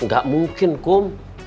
gak mungkin kum